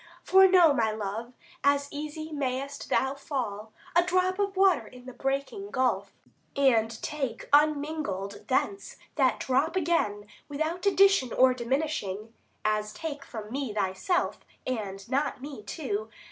For know, my love, as easy mayst thou fall A drop of water in the breaking gulf, 125 And take unmingled thence that drop again, Without addition or diminishing, As take from me thyself, and not me too.